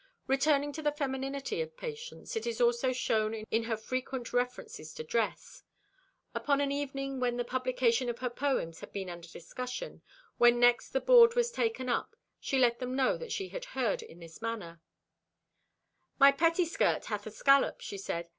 Returning to the femininity of Patience, it is also shown in her frequent references to dress. Upon an evening when the publication of her poems had been under discussion, when next the board was taken up she let them know that she had heard, in this manner: "My pettieskirt hath a scallop," she said.